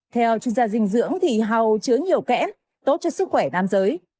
theo chuyên gia dinh dưỡng thì hầu chứa nhiều kẽm tốt cho sức khỏe nam giới